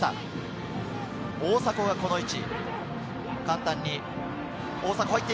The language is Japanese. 大迫はこの位置。